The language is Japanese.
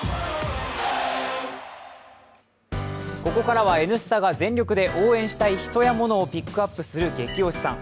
ここからは「Ｎスタ」が全力や応援したい人やものをピックアップするゲキ推しさん。